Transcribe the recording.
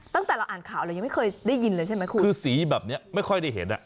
ตั้งแต่เราอ่านข่าวเรายังไม่เคยได้ยินเลยใช่ไหมคุณคือสีแบบเนี้ยไม่ค่อยได้เห็นอ่ะ